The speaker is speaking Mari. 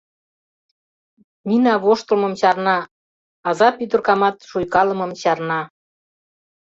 Нина воштылмым чарна, аза пӱтыркамат шуйкалымым чарна.